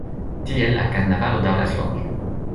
Tiel la karnavalo daŭras longe.